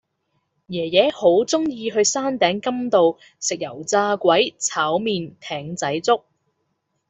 爺爺好鍾意去山頂甘道食油炸鬼炒麵艇仔粥